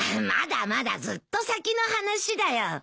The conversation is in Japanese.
まだまだずっと先の話だよ。